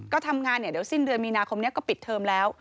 ก็ทำงานเดี๋ยวสิ้นเดือนมีนาคมนี้ก็ปิดเทอมแล้ว